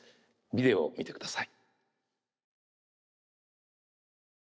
ビデオを見てください。